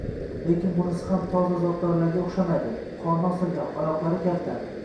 Lekin bunisi ham toza zotdorga o`xshamaydi qorni osilgan, oyoqlari kalta